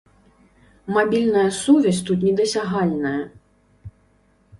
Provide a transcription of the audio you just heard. Мабільная сувязь тут недасягальная!